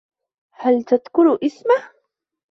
هل تذكر اسمه ؟